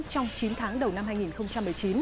trong chín tháng đầu năm hai nghìn một mươi chín